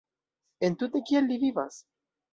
Entute kial li vivas?